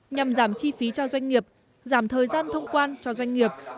nhằm giảm chi phí cho doanh nghiệp giảm thời gian thông quan cho doanh nghiệp